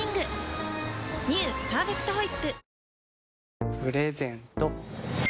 「パーフェクトホイップ」